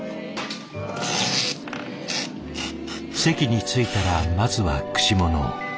席に着いたらまずは串物を。